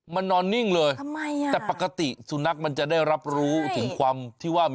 มันนอนนิ่งเลยทำไมอ่ะแต่ปกติสุนัขมันจะได้รับรู้ถึงความที่ว่า